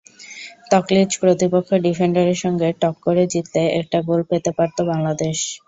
তকলিচ প্রতিপক্ষ ডিফেন্ডারের সঙ্গে টক্করে জিতলে একটা গোল পেতে পারত বাংলাদেশ।